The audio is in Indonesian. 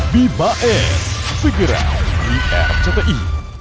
bibae segera di rcti